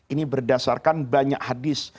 ini berdasarkan banyak hadis